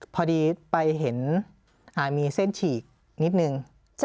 พอดีไปเห็นมีเส้นฉีกนิดนึง